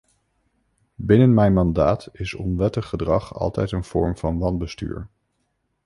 Binnen mijn mandaat is onwettig gedrag altijd een vorm van wanbestuur.